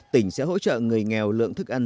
tỉnh sẽ hỗ trợ người nghèo lượng thức ăn